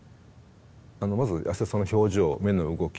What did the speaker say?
まず安田さんの表情目の動き